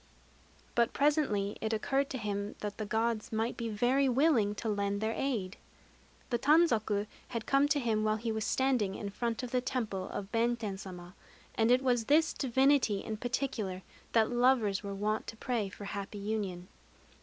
But presently it occurred to him that the Gods might be very willing to lend their aid. The tanzaku had come to him while he was standing in front of the temple of Benten Sama; and it was to this divinity in particular that lovers were wont to pray for happy union.